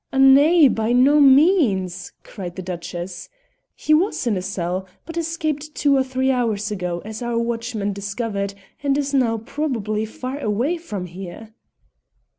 "Nay! by no means," cried the Duchess. "He was in a cell, but escaped two or three hours ago, as our watchman discovered, and is now probably far away from here."